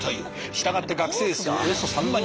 従って学生数およそ３万人。